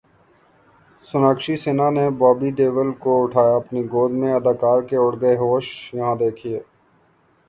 سوناکشی سنہا نے بابی دیول کو اٹھایا اپنی گود میں اداکار کے اڑ گئے ہوش، یہاں دیکھئے